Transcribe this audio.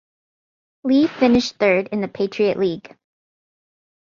Lehigh finished third in the Patriot League.